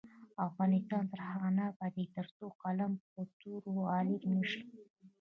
افغانستان تر هغو نه ابادیږي، ترڅو قلم پر تورې غالب نشي.